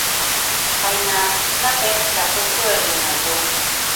Baina Snapek lapurtu egin nahi du.